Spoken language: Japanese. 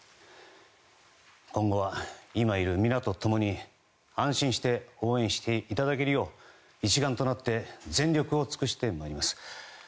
今後は今いる皆と共に安心して応援していただけるよう一丸となって全力を尽くしてまいります。